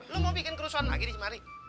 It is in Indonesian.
lu mau bikin kerusuhan lagi nih semarik